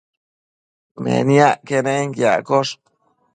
Meniac quenenquiaccosh